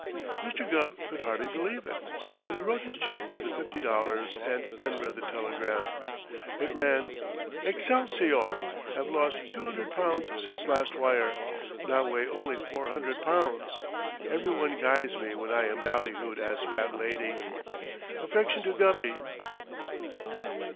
Mr. Gubb could hardly believe it, but he wrote his check for the fifty dollars and then read the telegram. It ran: Excelsior! Have lost two hundred pounds since last wire. Now weigh only four hundred pounds. Every one guys me when I am ballyhooed as Fat Lady. Affection to Gubby.